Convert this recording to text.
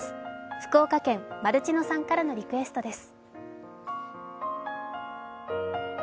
福岡県マルチノさんからのリクエストです。